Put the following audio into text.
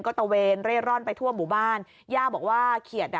ก็ตะเวนเร่ร่อนไปทั่วหมู่บ้านย่าบอกว่าเขียดอ่ะ